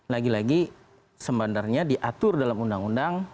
lagi lagi sebenarnya diatur dalam undang undang